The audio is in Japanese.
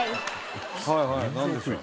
はいはいなんでしょう？